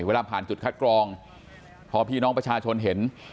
เวลาผ่านจุดคัดกรองพอพี่น้องประชาชนเห็น